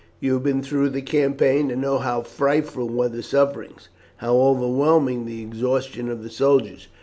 You have been through the campaign, and know how frightful were the sufferings, how overwhelming the exhaustion of the soldiers.